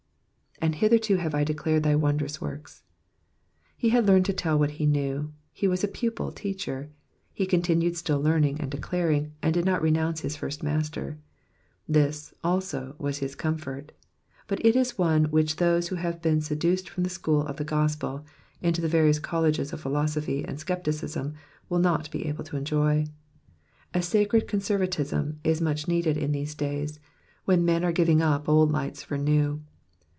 ^^And hitherto have I declared thy wondrous works.'*'* He had learned to tell what he knew, he was a pupil teacher ; he continued still learning and declaring, and did not renounce his first master ; this, also, was his comfort, but it is one which those who have been seduced from the school of the gospel, into the various colleges of philosophy and scepticism, will not be able to enjoy. A sacred conservatism is much needed in these days, when men are giving up old lights for new.